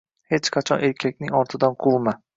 Hech qachon erkakning ortidan quvlama